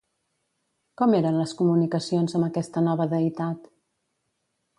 Com eren les comunicacions amb aquesta nova deïtat?